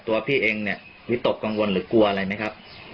พี่เองเนี่ยวิตกกังวลหรือกลัวอะไรไหมครับ